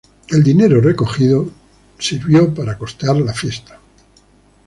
El dinero recogido servía para costear la fiesta.